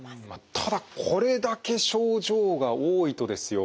ただこれだけ症状が多いとですよ